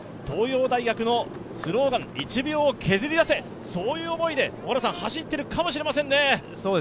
東洋大学のスローガン、１秒を削り出せ、そういう思いで走っているかもしれませんね。